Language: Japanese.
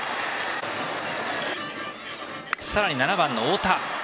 さらに７番の太田。